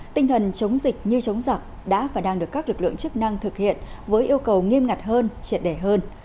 tinh thần chống dịch như chống giặc đã và đang được các lực lượng chức năng thực hiện với yêu cầu nghiêm ngặt hơn triệt đề hơn